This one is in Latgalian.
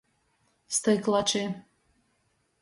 Styklači.